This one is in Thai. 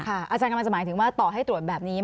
อาจารย์กำลังจะหมายถึงว่าต่อให้ตรวจแบบนี้